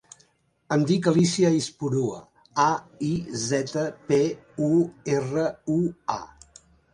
Em dic Alícia Aizpurua: a, i, zeta, pe, u, erra, u, a.